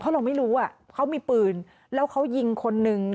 เพราะเราไม่รู้ว่าเขามีปืนแล้วเขายิงคนนึง